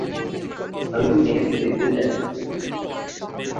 আমি মেয়েটাকে দেখতে চাই।